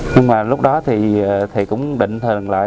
nhưng mà lúc đó thì cũng định thường lại